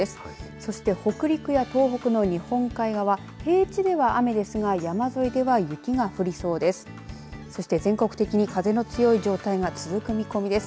そして、北陸や東北の日本海側平地では雨ですが山沿いでは雪が降りそうです。